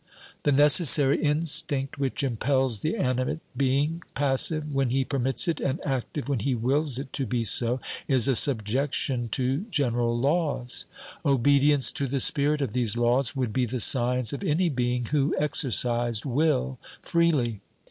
The necessary instinct which impels the animate being, passive when he permits it and active when he wills it to be so, is a subjection to general laws. Obedience to the spirit of these laws would be the science of any being who exercised will freely.